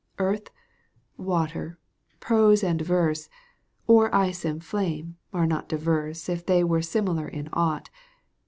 Earth, water, prose and verse, Or ice and flame, are not diverse If they were similar in aught.